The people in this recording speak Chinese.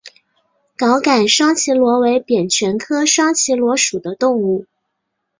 藁杆双脐螺为扁蜷科双脐螺属的动物。